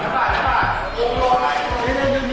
กลับไปกัน